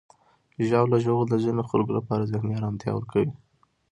ژاوله ژوول د ځینو خلکو لپاره ذهني آرامتیا ورکوي.